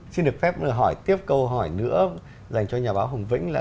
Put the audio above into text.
xin được phép hỏi tiếp câu hỏi nữa dành cho nhà báo hồng vĩnh là